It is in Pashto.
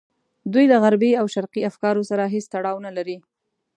دوی له غربي او شرقي افکارو سره هېڅ تړاو نه لري.